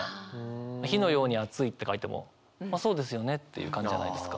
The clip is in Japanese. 「火のように熱い」って書いてもあっそうですよねっていう感じじゃないですか。